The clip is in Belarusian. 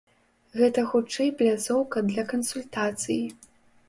Гэта хутчэй пляцоўка для кансультацый.